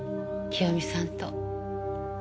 清美さんと。